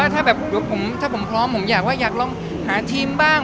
ถ้าผมพร้อมผมอยากว่าอยากลองหาทีมบ้าง